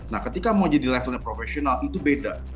nah ketika mau jadi levelnya profesional itu beda